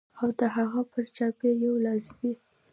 او د هغه پر چاپېر یوې لازمي